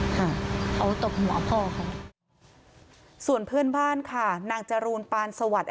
ค่ะเอาตบหัวพ่อเขาส่วนเพื่อนบ้านค่ะนางจรูนปานสวัสดิ